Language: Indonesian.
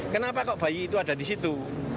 kenapa kok bayi itu ada di situ